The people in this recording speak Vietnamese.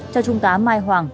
cho trung tá mai hoàng